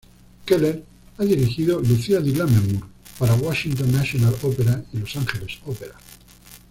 Keller ha dirigido Lucia di Lammermoor para Washington National Opera y Los Angeles Opera.